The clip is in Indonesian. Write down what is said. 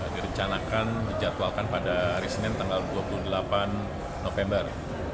direncanakan dijadwalkan pada hari senin tanggal dua puluh delapan november